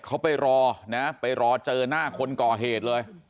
เขาไปรอนะไปรอเจอหน้าคนก่อเหตุเลย